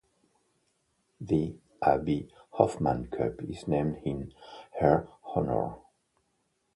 The Abby Hoffman Cup is named in her honour.